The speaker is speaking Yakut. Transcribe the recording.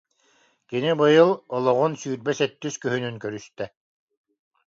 Кини быйыл олоҕун сүүрбэ сэттис күһүнүн көрүстэ